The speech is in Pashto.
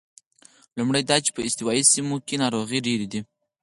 لومړی دا چې په استوایي سیمو کې ناروغۍ ډېرې دي.